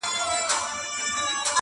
ګلان راوړه سپرلیه د مودو مودو راهیسي،